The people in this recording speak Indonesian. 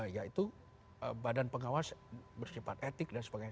yaitu badan pengawas bersifat etik dan sebagainya